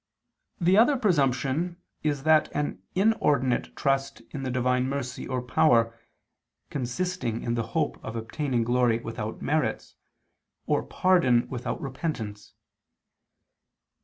The other presumption is an inordinate trust in the Divine mercy or power, consisting in the hope of obtaining glory without merits, or pardon without repentance.